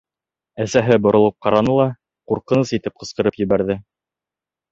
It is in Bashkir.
Әсәһе боролоп ҡараны ла ҡурҡыныс итеп ҡысҡырып ебәрҙе: